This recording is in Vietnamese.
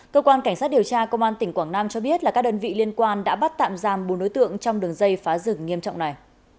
cơ quan cảnh sát điều tra công an tỉnh quảng nam cho biết là các đơn vị liên quan đã bắt tạm giam bốn đối tượng trong đường dây phá rừng nghiêm trọng này